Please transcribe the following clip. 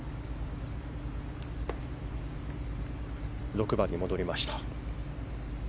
６番に戻りました。